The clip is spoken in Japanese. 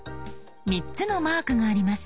３つのマークがあります。